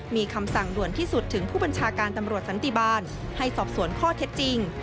มีคำสั่งด่วนที่สุดถึงผู้บัญชาการตำรวจสันติบาลให้สอบสวนข้อเท็จจริง